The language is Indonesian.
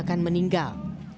korban akan meninggal